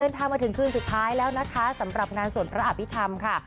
ทางมาถึงคืนสุดท้ายแล้วนะคะสำหรับงานสวดพระอภิษฐรรมค่ะ